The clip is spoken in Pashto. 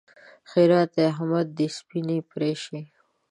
ښېرا: د احمد دې سپينې پرې شي!